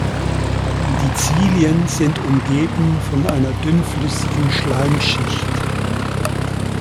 Die Zilien sind umgeben von einer dünnflüssigen Schleimschicht.